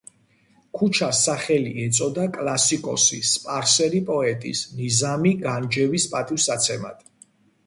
ქუჩას სახელი ეწოდა კლასიკოსი სპარსელი პოეტის, ნიზამი განჯევის პატივსაცემად.